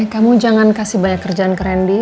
kamu jangan kasih banyak kerjaan ke randy